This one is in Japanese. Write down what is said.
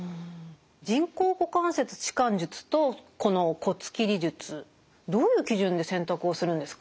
人工股関節置換術とこの骨切り術どういう基準で選択をするんですか？